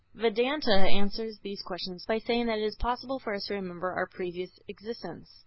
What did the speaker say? Vedanta answers these questions by saying that it is possible for us to remember our previous existences.